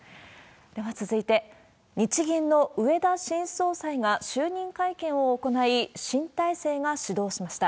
では続いて、日銀の植田新総裁が、就任会見を行い、新体制が始動しました。